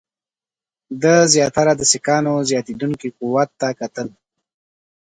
ده زیاتره د سیکهانو زیاتېدونکي قوت ته کتل.